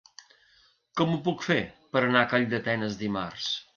Com ho puc fer per anar a Calldetenes dimarts?